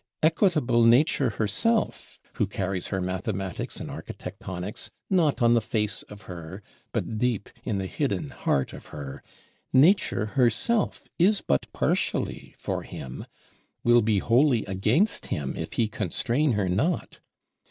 Equitable Nature herself, who carries her mathematics and architectonics not on the face of her, but deep in the hidden heart of her, Nature herself is but partially for him; will be wholly against him, if he constrain her not!